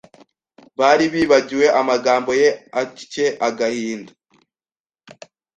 bari bibagiwe amagambo ye atcye agahinda